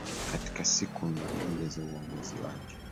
katika siku mia moja za uongozi wake